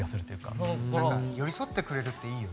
何か寄り添ってくれるっていいよね。